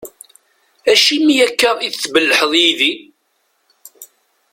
Acimi akka i tbelheḍ yid-i?